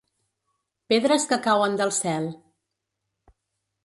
Pedres que cauen del cel.